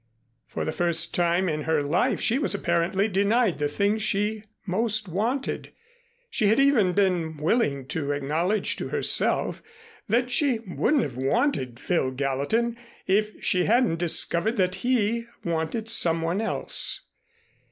For the first time in her life she was apparently denied the thing she most wanted. She had even been willing to acknowledge to herself that she wouldn't have wanted Phil Gallatin if she hadn't discovered that he wanted some one else.